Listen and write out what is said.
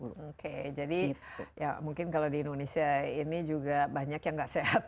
oke jadi ya mungkin kalau di indonesia ini juga banyak yang gak sehat